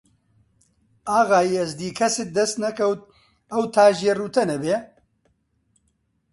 ئاغای یەزدی کەست دەست نەکەوت ئەو تاژییە ڕووتە نەبێ؟